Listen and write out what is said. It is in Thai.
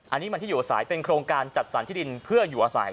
อันนี้มันที่อยู่อาศัยเป็นโครงการจัดสรรที่ดินเพื่ออยู่อาศัย